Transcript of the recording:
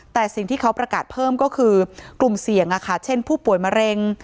แต่สิ่งที่เขาประกาศเพิ่มก็คือกลุ่มเสี่ยงเช่นผู้ป่วยมะเร็ง